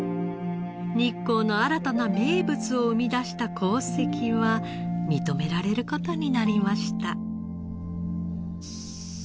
日光の新たな名物を生み出した功績は認められる事になりました。